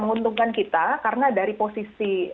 menguntungkan kita karena dari posisi